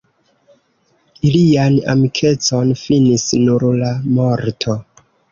Ilian amikecon finis nur la morto.